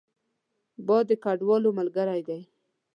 باد د کډوالو ملګری دی